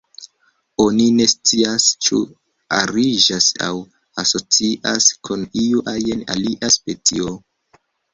Oni ne scias ĉu ariĝas aŭ asocias kun iu ajn alia specio.